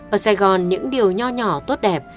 ở sài gòn những điều nhỏ nhỏ tốt đẹp